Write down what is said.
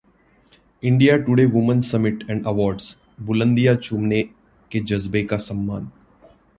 India today woman summit and awards: बुलंदियां चूमने के जज्बे का सम्मान